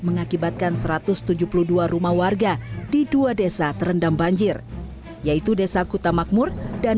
mengakibatkan satu ratus tujuh puluh dua rumah warga di dua desa terendam banjir yaitu desa kutamakmur dan